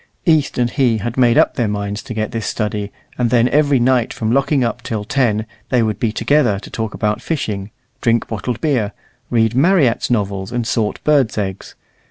East and he had made up their minds to get this study, and then every night from locking up till ten they would be together to talk about fishing, drink bottled beer, read Marryat's novels, and sort birds' eggs.